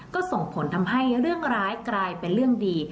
ก็ส่งผลทำให้เรื่องร้ายกลายเป็นเรื่องดี